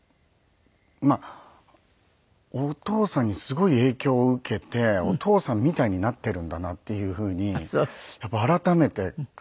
まあお父さんにすごい影響を受けてお父さんみたいになっているんだなっていうふうにやっぱり改めて感じますね。